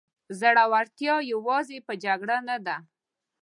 زړورتیا یوازې په جګړه نه ده.